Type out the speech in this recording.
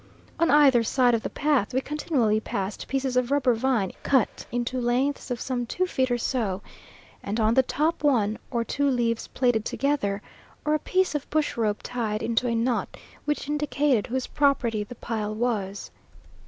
On either side of the path we continually passed pieces of rubber vine cut into lengths of some two feet or so, and on the top one or two leaves plaited together, or a piece of bush rope tied into a knot, which indicated whose property the pile was.